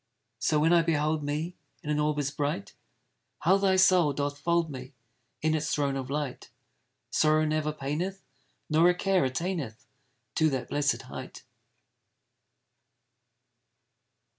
So when I behold me In an orb as bright, How thy soul doth fold me In its throne of light! Sorrow never paineth, Nor a care attaineth To that blessed height.